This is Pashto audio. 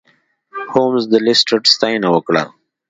هولمز د لیسټرډ ستاینه وکړه.